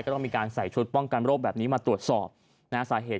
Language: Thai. ต้องมีการใส่ชุดป้องกันโรคแบบนี้มาตรวจสอบนะฮะสาเหตุ